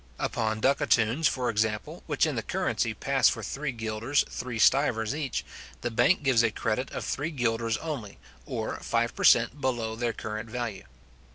Upon ducatoons, for example, which in the currency pass for three guilders three stivers each, the bank gives a credit of three guilders only, or five per cent. below their current value.